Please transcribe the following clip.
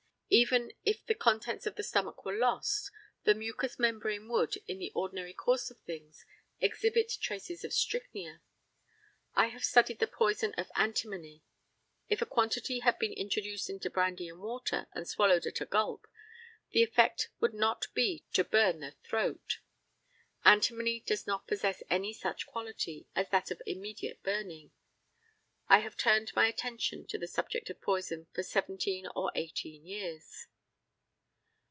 Even if the contents of the stomach were lost the mucous membrane would, in the ordinary course of things, exhibit traces of strychnia. I have studied the poison of antimony. If a quantity had been introduced into brandy and water, and swallowed at a gulp, the effect would not be to burn the throat. Antimony does not possess any such quality as that of immediate burning. I have turned my attention to the subject of poison for 17 or 18 years.